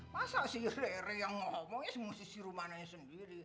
masa si rere yang ngomongnya sama si rumana sendiri